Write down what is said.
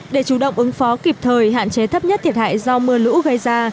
để chủ động ứng phó kịp thời hạn chế thấp nhất thiệt hại do mưa lũ gây ra